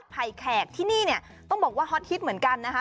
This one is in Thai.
ไผ่แขกที่นี่เนี่ยต้องบอกว่าฮอตฮิตเหมือนกันนะคะ